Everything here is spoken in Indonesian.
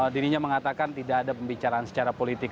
dirinya mengatakan tidak ada pembicaraan secara politik